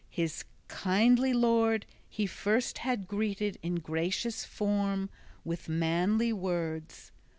His kindly lord he first had greeted in gracious form, with manly words.